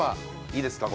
いいですか？